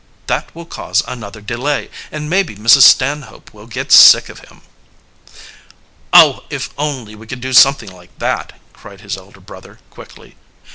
That will cause another delay, and maybe Mrs. Stanhope will get sick of him." "Oh, if only we could do something like that!" cried his elder brother quickly.